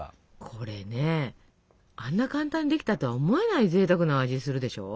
これねあんな簡単にできたとは思えないぜいたくな味するでしょ？